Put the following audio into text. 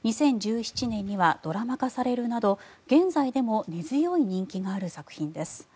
２０１７年にはドラマ化されるなど現在でも根強い人気がある作品です。